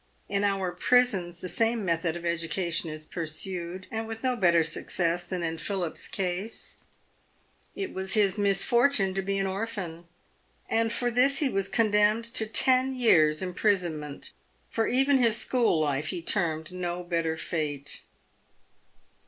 In our prisons the same method of edu cation is pursued, and with no better success than in Philip's case. It was his misfortune to be an orphan, and for this he was condemned to ten years' imprisonment — for even his school life he termed no better fate.